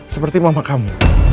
seperti mama kamu